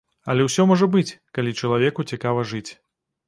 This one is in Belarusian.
Але ўсё можа быць, калі чалавеку цікава жыць.